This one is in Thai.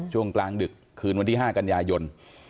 ช่วงกลางดึกคืนวันที่๕กันยายน